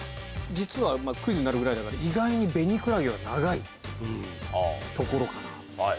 実はクイズになるぐらいだから意外にベニクラゲは長いところかなと。